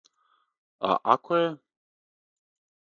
А ако је?